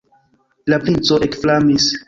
La princo ekflamis.